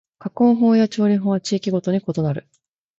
加工法や調理法は地域ごとに異なる